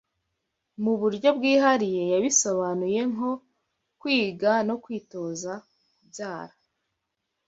Mu buryo bwihariye yabisobanuye nk kwiga no kwitoza kubyara